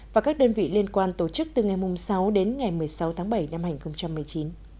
và các đơn vị liên quan tổ chức từ ngày sáu đến ngày một mươi sáu tháng bảy năm hai nghìn một mươi chín